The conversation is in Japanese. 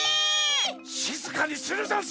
しずかにするざんす！